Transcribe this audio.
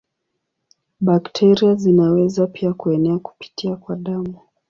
Bakteria zinaweza pia kuenea kupitia kwa damu.